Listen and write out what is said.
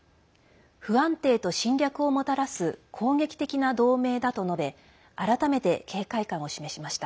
不安定と侵略をもたらす攻撃的な同盟だと述べ改めて警戒感を示しました。